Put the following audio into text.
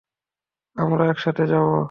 আমরা একসাথে যাবো।